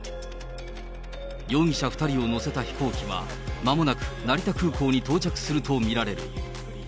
容疑者２人を乗せた飛行機は、まもなく成田空港に到着すると見られる。